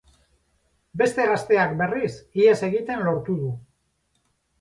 Beste gazteak, berriz, ihes egiten lortu du.